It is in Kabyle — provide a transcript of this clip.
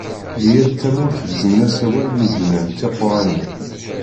Di yal tamurt gezmen-asen awal mi d-nnan tiquranin.